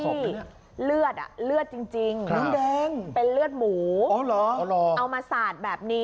ในนี้เลือดจริงเลือดหูเอามาสาดแบบนี้